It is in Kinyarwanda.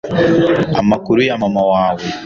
amakuru ya mama wawe